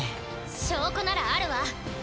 証拠ならあるわ。